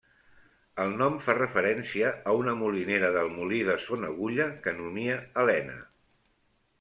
El nom fa referència a una molinera del molí de Son Agulla que nomia Elena.